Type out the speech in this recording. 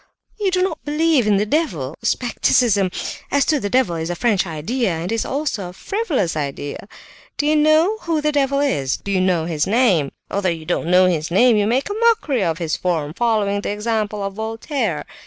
You do not believe in the devil? Scepticism as to the devil is a French idea, and it is also a frivolous idea. Do you know who the devil is? Do you know his name? Although you don't know his name you make a mockery of his form, following the example of Voltaire.